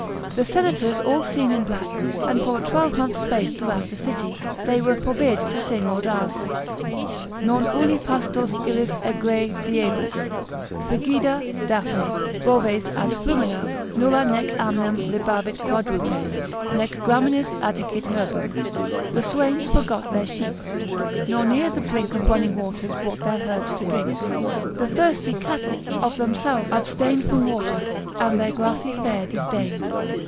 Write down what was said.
The senators all seen in black, and for a twelvemonth's space throughout the city, they were forbid to sing or dance. Non ulli pastos illis egre diebus Frigida (Daphne) boves ad flumina, nulla nec amnem Libavit quadrupes, nec graminis attigit herbam. The swains forgot their sheep, nor near the brink Of running waters brought their herds to drink; The thirsty cattle, of themselves, abstained From water, and their grassy fare disdain'd.